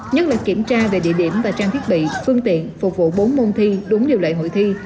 nhất là kiểm tra về địa điểm và trang thiết bị phương tiện phục vụ bốn môn thi đúng điều lệ hội thi